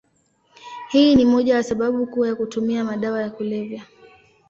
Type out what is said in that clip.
Hii ni moja ya sababu kuu ya kutumia madawa ya kulevya.